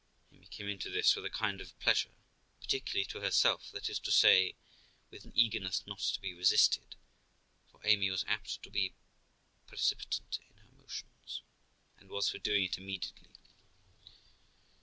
Amy came into this with a kind of pleasure particular to herself that is to say, with an eagerness not to be resisted; for Amy was apt to be precipitant in her motions, and was for doing it immediately.